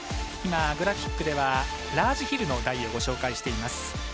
今、グラフィックではラージヒルの台をご紹介しています。